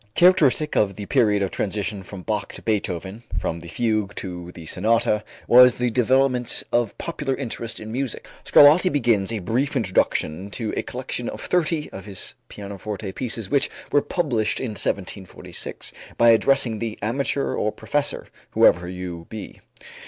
Characteristic of the period of transition from Bach to Beethoven, from the fugue to the sonata, was the development of popular interest in music. Scarlatti begins a brief introduction to a collection of thirty of his pianoforte pieces which were published in 1746, by addressing the "amateur or professor, whoever you be."